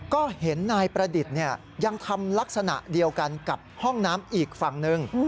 ก็เห็นนายประดิษฐ์ยังทำลักษณะเดียวกันกับห้องน้ำอีกฝั่งหนึ่ง